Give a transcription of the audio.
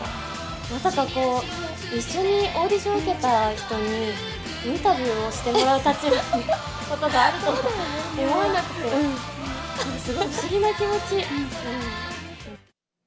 まさかこう、一緒にオーディション受けてた人にインタビューをしてもらうことがあるとは思わなくて、すごく不思議な気持ち。